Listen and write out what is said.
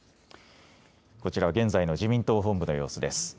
こちらは現在の自民党本部の様子です。